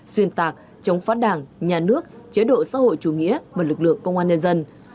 xuyên tạc chống phá đảng nhà nước chế độ xã hội chủ nghĩa và lực lượng công an nhân dân